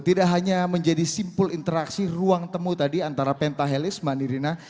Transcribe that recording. tidak hanya menjadi simpul interaksi ruang temu tadi antara pentahelis mbak nirina